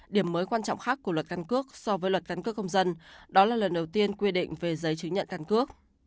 điểm mới quan trọng khác của luật căn cước so với luật căn cước công dân đó là lần đầu tiên quy định về giấy chứng nhận căn cước